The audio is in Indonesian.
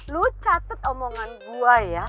lu catet omongan gue ya